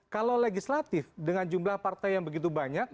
kalau legislatif dengan jumlah partai yang begitu banyak